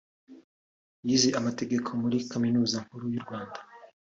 yize amategeko muri Kaminuza nkuru y’u Rwanda